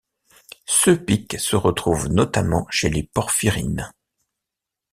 Ce pic se retrouve notamment chez les porphyrines.